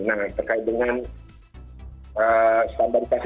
nah terkait dengan standarikasi